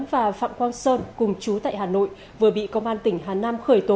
và phạm quang sơn cùng chú tại hà nội vừa bị công an tỉnh hà nam khởi tố